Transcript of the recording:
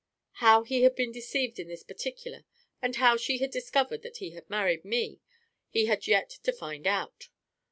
How he had been deceived in this particular, and how she had discovered that he had married me, he had yet to find out.